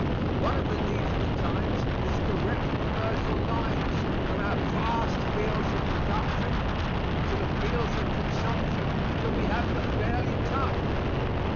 One of the needs of the times is direct commercial lines from our vast fields of production to the fields of consumption that we have but barely touched.